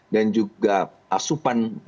dan juga asupan